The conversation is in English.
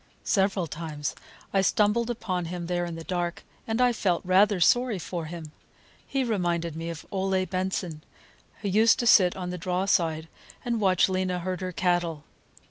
Several times I stumbled upon him there in the dark, and I felt rather sorry for him. He reminded me of Ole Benson, who used to sit on the draw side and watch Lena herd her cattle.